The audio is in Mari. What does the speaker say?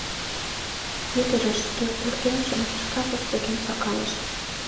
Ӱдырышт шке вургемжым шкафыш поген сакалыш.